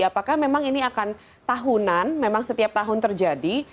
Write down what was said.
apakah memang ini akan tahunan memang setiap tahun terjadi